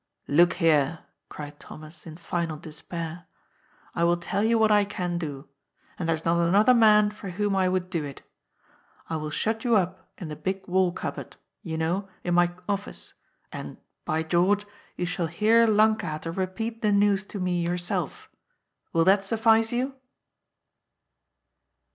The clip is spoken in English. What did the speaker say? " Look here," cried Thomas in final despair. " I will tell you what I can do ; and there's not another man for whom I would do it. I will shut you up in the big wall cupboard — ^you know — in my oflBce, and — ^by George — you shall hear Lankater repeat the news to me yourself. Will that suflBce you